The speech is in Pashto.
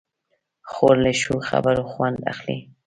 خور له ښو خبرو خوند اخلي.